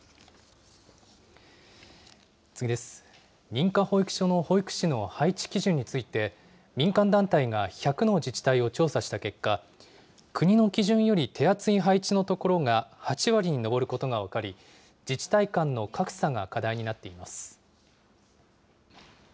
認可保育所の保育士の配置基準について、民間団体が１００の自治体を調査した結果、国の基準より手厚い配置のところが８割に上ることが分かり、自治体間の格差が課題になっています。